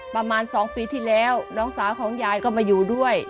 ประมาณ๒ปีที่แล้วน้องสาวของยายก็มาอยู่ด้วย